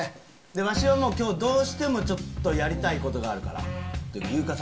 わしは今日どうしてもちょっとやりたいことがあるから。